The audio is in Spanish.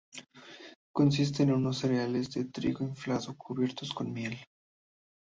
Consisten en unos cereales de trigo inflado, cubiertos con miel.